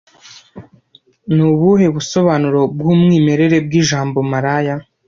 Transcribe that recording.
Ni ubuhe busobanuro bw'umwimerere bw'ijambo maraya